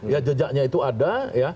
ya jejaknya itu ada